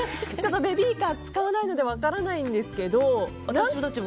ベビーカー使わないので分からないんですけど。